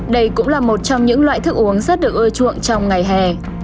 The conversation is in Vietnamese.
đây cũng là một trong những loại thức uống rất được ưa chuộng trong ngày hè